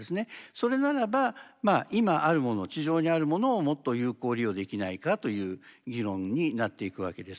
それならば今あるもの地上にあるものをもっと有効利用できないかという議論になっていくわけです。